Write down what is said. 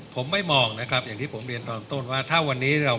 ผมไม่มองนะครับอย่างที่ผมเรียนตอนต้นว่าถ้าวันนี้เรา